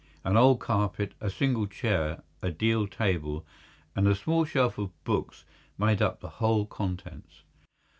An old carpet, a single chair, a deal table, and a small shelf of books made up the whole contents.